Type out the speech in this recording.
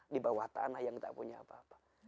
di bawah tanah yang tak punya apa apa